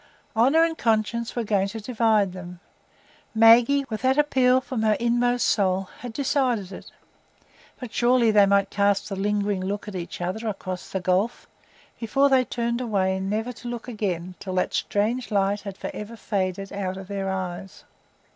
Honour and conscience were going to divide them; Maggie, with that appeal from her inmost soul, had decided it; but surely they might cast a lingering look at each other across the gulf, before they turned away never to look again till that strange light had forever faded out of their eyes.